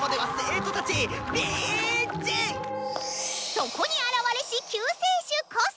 「そこに現れし救世主こそ」。